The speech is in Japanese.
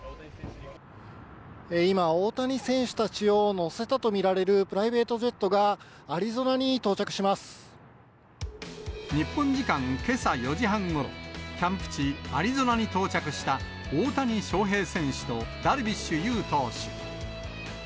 今、大谷選手たちを乗せたと見られるプライベートジェットが、アリゾ日本時間けさ４時半ごろ、キャンプ地、アリゾナに到着した大谷翔平選手とダルビッシュ有投手。